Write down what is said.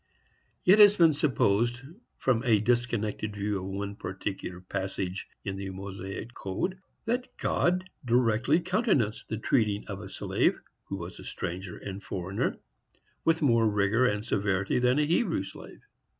It has been supposed, from a disconnected view of one particular passage in the Mosaic code, that God directly countenanced the treating of a slave, who was a stranger and foreigner, with more rigor and severity than a Hebrew slave.